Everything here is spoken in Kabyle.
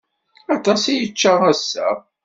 Aṭas i yečča ass-a.